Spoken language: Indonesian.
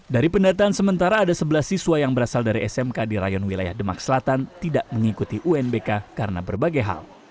dari pendataan sementara ada sebelas siswa yang berasal dari smk di rayon wilayah demak selatan tidak mengikuti unbk karena berbagai hal